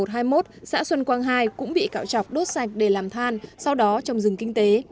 thuộc tiểu khu một trăm hai mươi và một trăm hai mươi một xã xuân quang hai cũng bị cạo chọc đốt sạch để làm than sau đó trong rừng kinh tế